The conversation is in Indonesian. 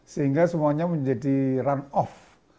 sehingga semuanya menjadi run off